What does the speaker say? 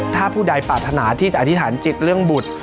ถ้าผู้ใดปรารถนาที่จะอธิษฐานจิตเรื่องบุตร